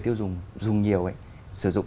tiêu dùng dùng nhiều ấy sử dụng